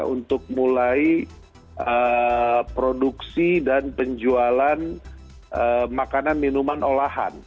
untuk mulai produksi dan penjualan makanan minuman olahan